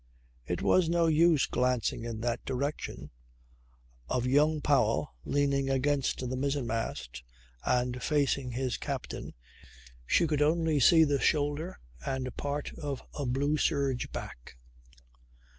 It was no use glancing in that direction. Of young Powell, leaning against the mizzen mast and facing his captain she could only see the shoulder and part of a blue serge back.